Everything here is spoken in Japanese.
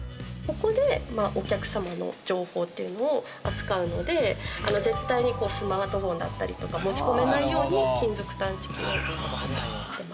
ここでお客様の情報っていうのを扱うので、絶対にスマートフォンだったりとか持ち込めないように金属探知機を。